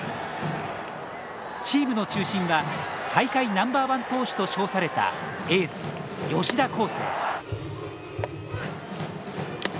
チームの中心は大会ナンバーワン投手と称されたエース、吉田輝星。